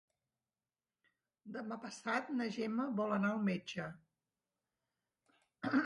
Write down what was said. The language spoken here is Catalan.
Demà passat na Gemma vol anar al metge.